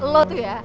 lo tuh ya